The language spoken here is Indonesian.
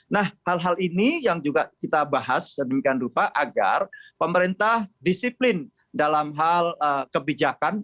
nah hal hal ini yang juga kita bahas sedemikian rupa agar pemerintah disiplin dalam hal kebijakan